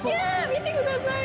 見てください